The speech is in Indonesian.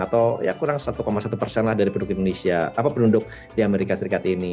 atau kurang satu satu persen dari penduduk di amerika serikat ini